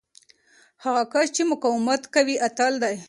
هغه کس چې مقاومت کوي، اتل دی.